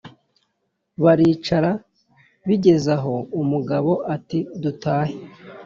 baricara bigeze aho umugabo ati dutahe